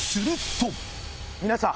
皆さん！